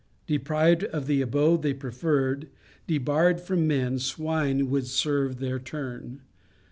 Deprived of the abode they preferred, debarred from men, swine would serve their turn.